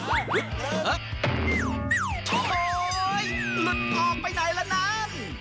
หึโอ๊ยหลุดออกไปไหนแล้วนั้น